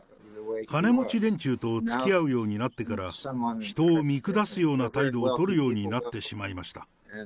金持ち連中とつきあうようになってから、人を見下すような態度を取るようになってしまいました。